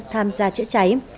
tham gia chữa cháy